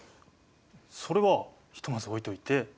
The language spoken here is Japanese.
それはひとまず置いといて。